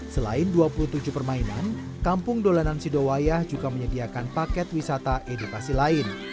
selain dua puluh tujuh permainan kampung dolanan sidowayah juga menyediakan paket wisata edukasi lain